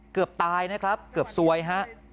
เกือบตายนะครับเกือบซวยฮะ